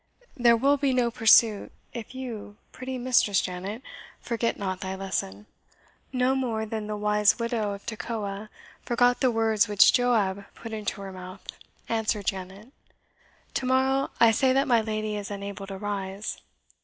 There will be no pursuit, if you, pretty Mistress Janet, forget not thy lesson." "No more than the wise widow of Tekoa forgot the words which Joab put into her mouth," answered Janet. "Tomorrow, I say that my lady is unable to rise."